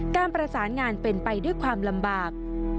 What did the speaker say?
การประสานงานเป็นไปด้วยความลำบาก